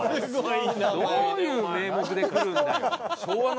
すごい。